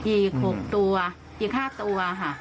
อีก๖ตัวอีก๕ตัวค่ะ